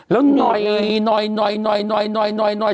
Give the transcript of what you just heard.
แล้วหน่อยหน่อย